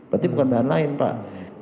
berarti bukan bahan lain pak